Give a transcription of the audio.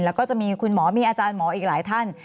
แล้วก็จะมีคุณหมอมีอาจารย์หมออีกหลายท่าน